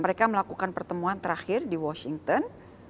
mereka melakukan pertemuan terakhir di washington